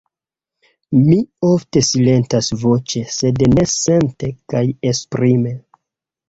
Mi ofte silentas voĉe, sed ne sente kaj esprime.